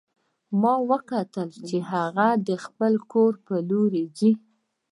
ما وکتل چې هغه د خپل کور په لور ځي